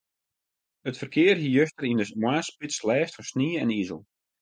It ferkear hie juster yn de moarnsspits lêst fan snie en izel.